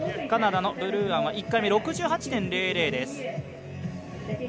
カナダのブルーアンは１回目、６８．００です。